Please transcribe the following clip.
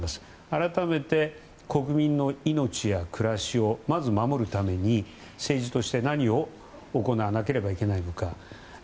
改めて国民の命や暮らしをまず守るために政治として何を行わなければならないのか。